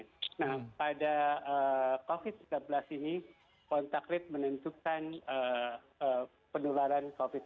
nah pada covid sembilan belas ini kontak rate menentukan penularan covid sembilan belas